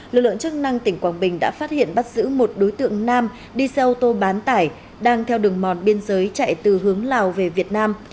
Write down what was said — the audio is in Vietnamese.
lực lượng chức năng tỉnh quảng bình đã phát hiện bắt giữ một đối tượng nam đi xe ô tô bán tải đang theo đường mòn biên giới chạy từ hướng lào về việt nam